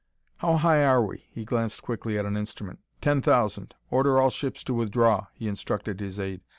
"How high are we?" He glanced quickly at an instrument. "Ten thousand. Order all ships to withdraw," he instructed his aide.